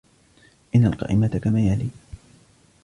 إن القائمة كما يلي.